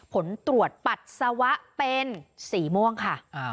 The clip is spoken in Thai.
ผลตรวจปัสสาวะเป็นสีม่วงค่ะ